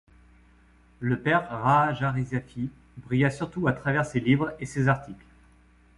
Le père Rahajarizafy brilla surtout à travers ses livres et ses articles.